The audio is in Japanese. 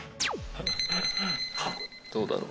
どうだろう。